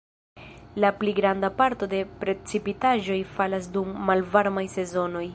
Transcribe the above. La pli granda parto de precipitaĵoj falas dum malvarmaj sezonoj.